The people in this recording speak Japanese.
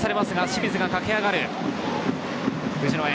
清水が駆け上がる。